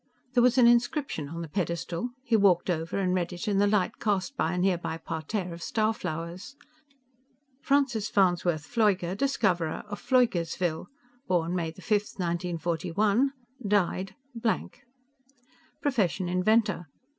There was an inscription on the pedestal. He walked over and read it in the light cast by a nearby parterre of star flowers: FRANCIS FARNSWORTH PFLEUGER, DISCOVERER OF PFLEUGERSVILLE _Born: May 5. 1941. Died: _ _Profession Inventor.